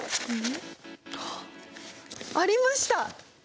ありました！